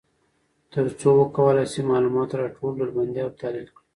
تر څو وکولای شي معلومات را ټول، ډلبندي او تحلیل کړي.